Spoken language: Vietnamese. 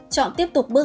chọn tiếp tục bước hai